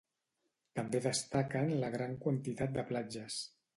També destaquen la gran quantitat de platges.